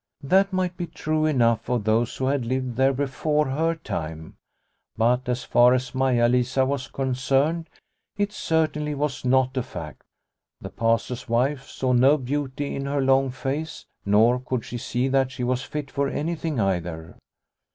That might be true enough of those who had lived there before her time, but as far as Maia Lisa was concerned, it certainly was not a fact. The Pastor's wife saw no beauty in her long face, nor could she see that she was fit for anything either.